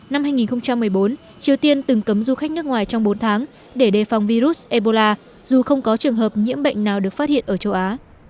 năm hai nghìn một mươi bốn triều tiên từng cấm du khách nước ngoài trong bốn tháng để đề phòng virus ebola dù không có trường hợp nhiễm bệnh nào được phát hiện ở châu á